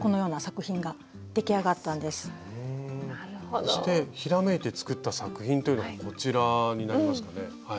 そしてひらめいて作った作品というのがこちらになりますかね。